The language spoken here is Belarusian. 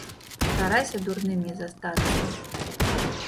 Старайся дурным не застацца.